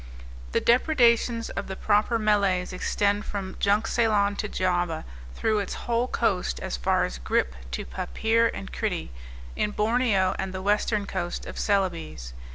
The depredations of the proper Malays extend from Junkceylon to Java, through its whole coast, as far as Grip to Papir and Kritti, in Borneo and the western coast of Celebes.